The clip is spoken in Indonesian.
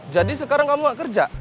jadi sekarang kamu gak kerja